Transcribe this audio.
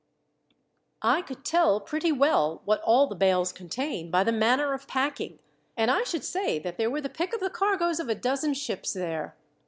"I could tell pretty well what all the bales contain, by the manner of packing, and I should say that there were the pick of the cargoes of a dozen ships there.